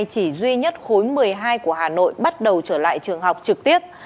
chỉ duy nhất khối một mươi hai của hà nội bắt đầu trở lại trường học trực tiếp